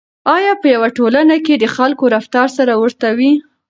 آیا په یوه ټولنه کې د خلکو رفتار سره ورته وي؟